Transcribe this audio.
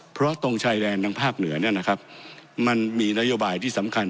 เพราะตรงชายแดนทางภาคเหนือเนี่ยนะครับมันมีนโยบายที่สำคัญ